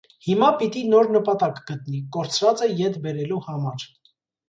Հիմա պիտի նոր նպատակ գտնի՝ կորցրածը ետ բերելու համար։